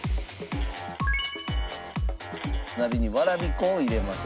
鍋にわらび粉を入れました。